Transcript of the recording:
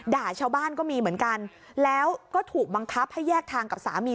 ด่าชาวบ้านก็มีเหมือนกันแล้วก็ถูกบังคับให้แยกทางกับสามี